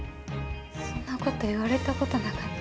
そんなこと言われたことなかった。